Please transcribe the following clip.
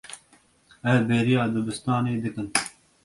Ew bêriya dibistanê dikin.